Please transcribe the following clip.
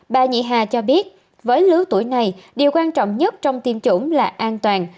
bà nhị hà cho biết với lứa tuổi này điều quan trọng nhất trong tiêm chủng là an toàn